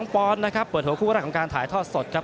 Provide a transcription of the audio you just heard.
ปอนด์นะครับเปิดหัวคู่แรกของการถ่ายทอดสดครับ